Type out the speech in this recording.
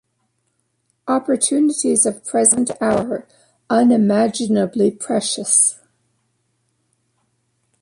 Opportunities of present hour unimaginably precious.